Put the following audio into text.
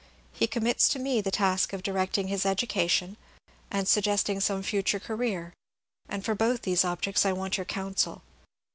He commits to me the task of directing his education, and suggesting some future career, and for both these objects I want your counsel."